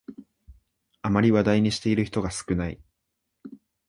あまり話題にしている人が少ない